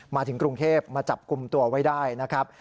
มาถึงกรุงเทพมาจับกลุ่มตัวไว้ได้นะครับ